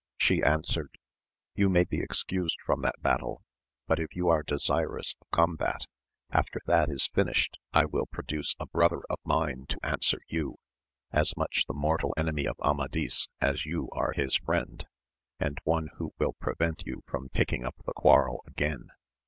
She answered. You may be excused from that battle, but if you are desirous of combat, after that is finished I will produce a brother of mine to answer you, as much the mortal enemy of Amadis as you are his friend, and one who will prevent you from taking up the quarrel again.